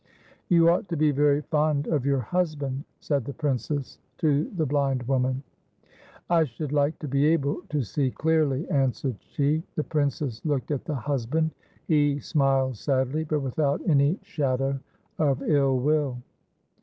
"You ought to be very fond of your husband," said the princess to the blind woman. "I should like to be able to see clearly," answered she. The princess looked at the husband, he smiled sadly, but without any shadow of ill will.